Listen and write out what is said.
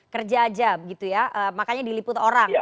kerja aja gitu ya makanya diliput orang